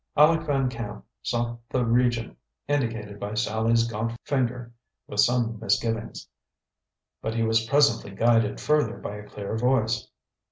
Aleck Van Camp sought the region indicated by Sallie's gaunt finger with some misgivings; but he was presently guided further by a clear voice.